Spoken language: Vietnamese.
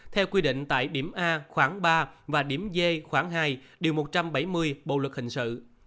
theo quy định tại điểm a khoảng ba và điểm d khoảng hai điều một trăm bảy mươi bộ luật hình sự